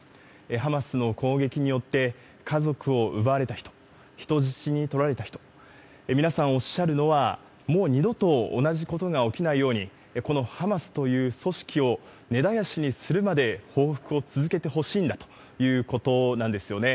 ハマスの攻撃によって家族を奪われた人、人質に取られた人、皆さんおっしゃるのは、もう二度と同じことが起きないように、このハマスという組織を根絶やしにするまで報復を続けてほしいんだということなんですよね。